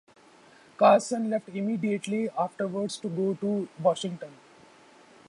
Carson left immediately afterwards to go to Washington.